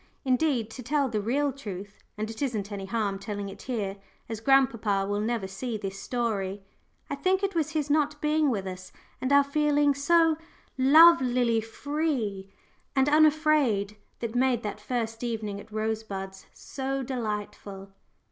Indeed, to tell the real truth and it isn't any harm telling it in here, as grandpapa will never see this story I think it was his not being with us, and our feeling so lovelily free and unafraid, that made that first evening at Rosebuds so delightful.